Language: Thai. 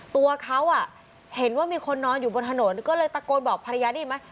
ตัวเขาเห็นว่ามีคนนอนอยู่บนถนนก็เลยตะโกนบอกภรรยาได้ยินไหม